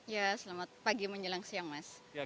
ya selamat pagi menjelang siang mas